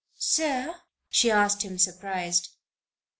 "Sir?" she asked him, surprised.